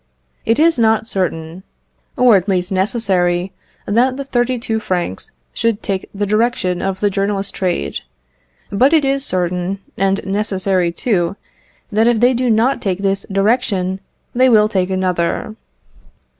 It is not certain, or at least necessary, that the thirty two francs should take the direction of the journalist trade; but it is certain, and necessary too, that if they do not take this direction they will take another.